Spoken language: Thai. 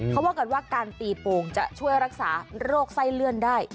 เขาว่ากันว่าการตีโป่งจะช่วยรักษาโรคไส้เลื่อนได้